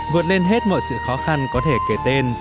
vượt lên hết mọi sự khó khăn có thể kể tên